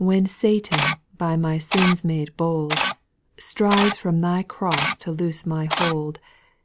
4^ When Satan, by my sins made bold. Strives from Thy cross to loose my hold.